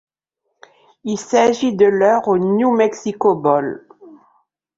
Il s'agit de leur au New Mexico Bowl.